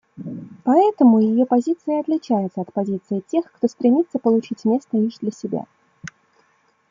Поэтому ее позиция отличается от позиции тех, кто стремится получить место лишь для себя.